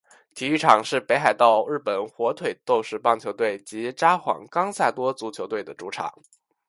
体育场是北海道日本火腿斗士棒球队及札幌冈萨多足球队的主场。